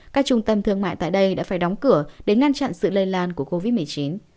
các trung tâm thương mại tại đây đã phải đóng cửa để ngăn chặn sự lây lan của covid một mươi chín